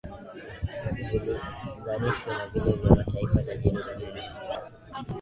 vililinganishwa na vile vya mataifa tajiri duniani